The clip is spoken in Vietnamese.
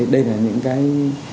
đây là những cái